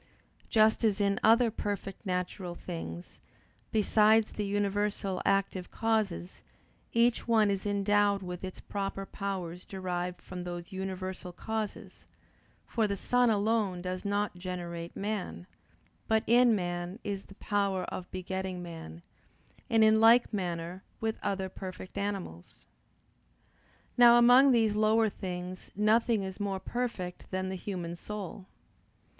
Just as in other perfect natural things, besides the universal active causes, each one is endowed with its proper powers derived from those universal causes: for the sun alone does not generate man; but in man is the power of begetting man: and in like manner with other perfect animals. Now among these lower things nothing is more perfect than the human soul.